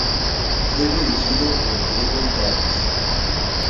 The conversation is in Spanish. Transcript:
Fue dirigido por Gregory Dark.